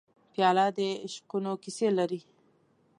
پیاله د عشقونو کیسې لري.